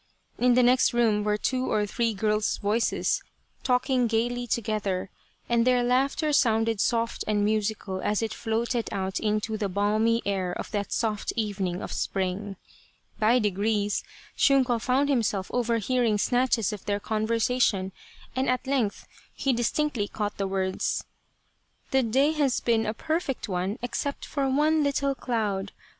In the next room were two or three girls' voices talking gaily together, and their laughter sounded soft and musical as it floated out into the balmy air of that soft evening of spring. By degrees Shunko found himself overhearing snatches of their conversation, and at length he dis tinctly caught the words :" The day has been a perfect one except for one little cloud.